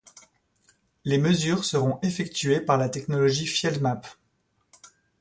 Les mesures seront effectuées par la technologie Field-Map.